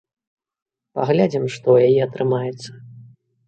Паглядзім, што ў яе атрымаецца.